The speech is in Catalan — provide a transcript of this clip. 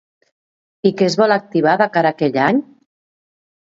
I què es vol activar de cara a aquell any?